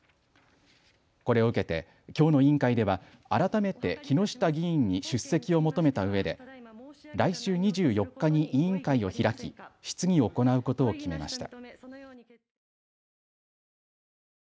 これを受けてきょうの委員会では改めて木下議員に出席を求めたうえで来週２４日に委員会を開き質疑を行うことを決めました。